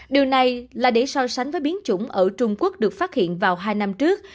điều này là để so sánh với biến chủng ở trung quốc được phát hiện vào hai năm trước